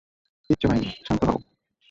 কিচ্ছু হয়নি, শান্ত হও।